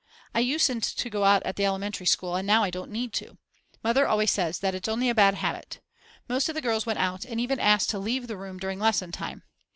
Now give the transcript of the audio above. I usen't to go out at the elementary school and now I don't need to. Mother always says that it's only a bad habit. Most of the girls went out, and even asked to leave the room during lesson time.